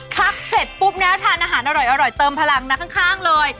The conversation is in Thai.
พักเสร็จปุ๊บนะทานอาหารอร่อยเติมพลังนะข้างเลย